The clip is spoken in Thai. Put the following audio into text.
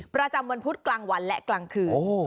ประจำวันพุธกลางวันและกลางคืน